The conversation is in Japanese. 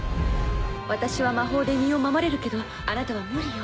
私は魔法で身を守れるけどあなたは無理よ。